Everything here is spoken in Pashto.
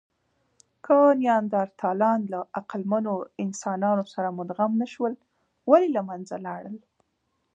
که نیاندرتالان له عقلمنو انسانانو سره مدغم نهشول، ولې له منځه لاړل؟